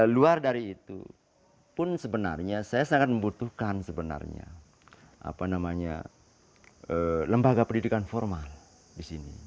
luar dari itu pun sebenarnya saya sangat membutuhkan sebenarnya lembaga pendidikan formal di sini